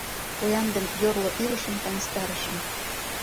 Поян ден йорло илышым таҥастарышым.